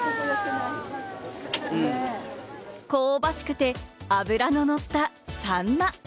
香ばしくて脂ののったサンマ。